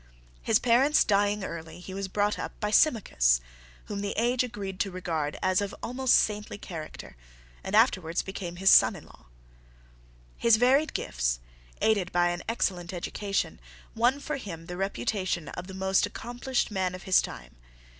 His parents dying early, he was brought up by Symmachus, whom the age agreed to regard as of almost saintly character, and afterwards became his son in law. His varied gifts, aided by an excellent education, won for him the reputation of the most accomplished man of his time.